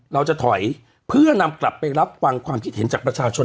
เราจะถอยเพื่อนำกลับไปรับฟังความคิดเห็นจากประชาชน